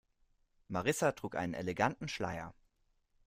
Marissa trug einen eleganten Schleier.